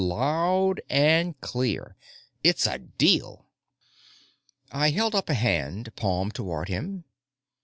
"Loud and clear. It's a deal." I held up a hand, palm toward him.